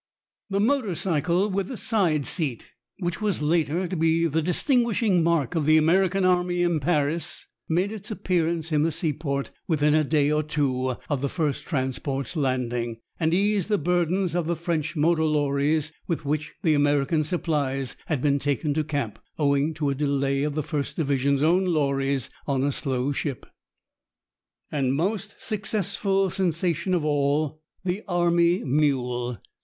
The motor cycle with the side seat, which was later to be the distinguishing mark of the American Army in Paris, made its appearance in the seaport within a day or two of the first transport's landing, and eased the burdens of the French motor lorries with which the American supplies had been taken to camp, owing to a delay of the First Division's own lorries, on a slow ship. And most successful sensation of all, the army mule.